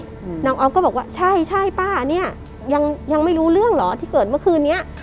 อืมน้องออฟก็บอกว่าใช่ใช่ป้าเนี้ยยังยังไม่รู้เรื่องเหรอที่เกิดเมื่อคืนเนี้ย